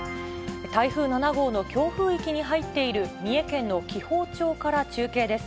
台風７号の強風域に入っている三重県の紀宝町から中継です。